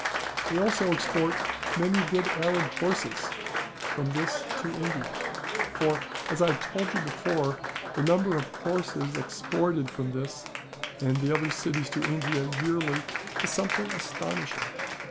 They also export many good Arab horses from this to India.^ For, as I have told you before, the number of horses exported from this and the other cities to India yearly is something astonishing.